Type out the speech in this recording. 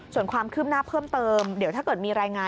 ส่วนความคืบหน้าเพิ่มเติมเดี๋ยวถ้าเกิดมีรายงาน